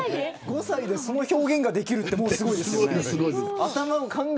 ５歳でその表現ができるってもうすごいですね。